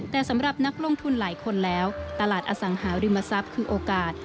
แต่สำหรับนักลงทุนหลายคนแล้วตลาดอสังหาริมทรัพย์คือโอกาส